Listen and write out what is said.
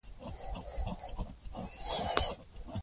او هغه ئي ګویا کړي او ناطق کړي دي پخپل حَمد باندي